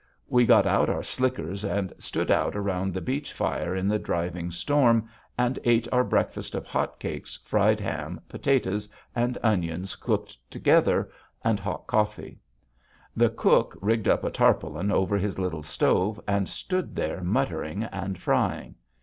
We got out our slickers and stood out around the beach fire in the driving storm, and ate our breakfast of hot cakes, fried ham, potatoes and onions cooked together, and hot coffee. The cook rigged up a tarpaulin over his little stove and stood there muttering and frying.